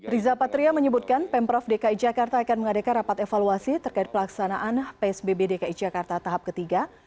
riza patria menyebutkan pemprov dki jakarta akan mengadakan rapat evaluasi terkait pelaksanaan psbb dki jakarta tahap ketiga